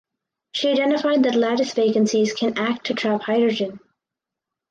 She identified that lattice vacancies can act to trap hydrogen.